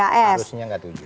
harusnya nggak tujuh